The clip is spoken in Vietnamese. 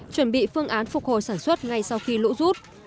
chuẩn bị phương án phục hồi sản xuất ngay sau khi lũ rút